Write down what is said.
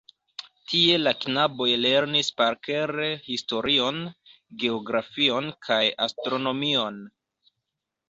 Tie la knaboj lernis parkere historion, geografion kaj astronomion.